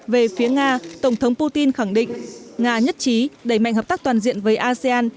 về phía nga tổng thống putin khẳng định nga nhất trí đẩy mạnh hợp tác toàn diện với asean